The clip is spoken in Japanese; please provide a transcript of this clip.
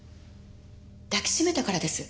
抱きしめたからです。